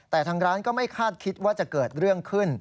แต่ทางร้านก็ไม่คาดคิดว่าจะเกิดเรื่องขึ้น